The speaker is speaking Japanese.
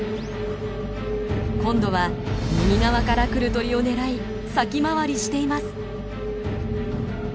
今度は右側から来る鳥を狙い先回りしています。